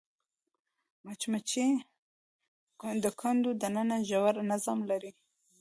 مچمچۍ د کندو دننه ژور نظم لري